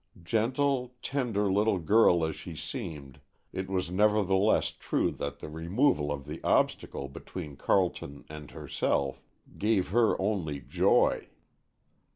Gentle, tender little girl as she seemed, it was nevertheless true that the removal of the obstacle between Carleton and herself gave her only joy.